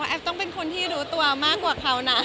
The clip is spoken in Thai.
แอฟต้องเป็นคนที่รู้ตัวมากกว่าเขานะ